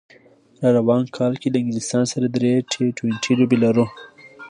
راروان کال کې له انګلستان سره درې ټي ټوینټي لوبې لرو